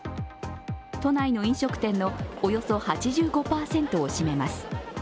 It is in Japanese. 都内の飲食店の、およそ８５％を占めます。